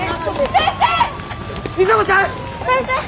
先生！